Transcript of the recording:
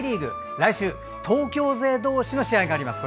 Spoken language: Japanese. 来週、東京勢同士の試合があります。